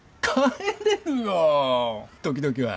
時々は。